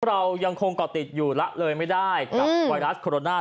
เรายังคงก่อติดอยู่ละเลยไม่ได้กับไวรัสโคโรนา